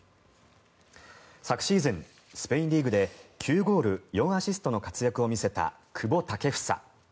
昨シーズン、スペインリーグで９ゴール４アシストの活躍を見せた久保建英。